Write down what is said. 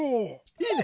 いいね！